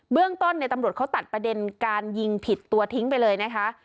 เรื่องต้นตำรวจเขาตัดประเด็นการยิงผิดตัวทิ้งไปเลยนะคะ